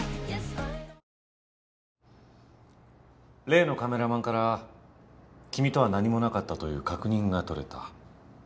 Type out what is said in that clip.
例のカメラマンから君とは何もなかったという確認が取れた。